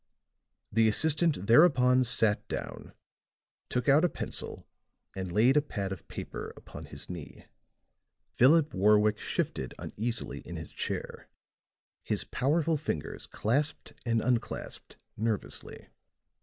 The assistant thereupon sat down, took out a pencil and laid a pad of paper upon his knee. Philip Warwick shifted uneasily in his chair; his powerful fingers clasped and unclasped nervously.